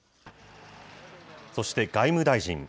そして外務大臣。